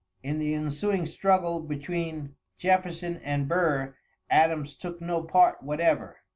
In the ensuing struggle between Jefferson and Burr, Adams took no part whatever.